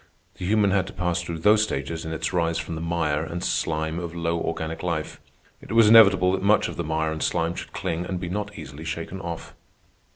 The human had to pass through those stages in its rise from the mire and slime of low organic life. It was inevitable that much of the mire and slime should cling and be not easily shaken off.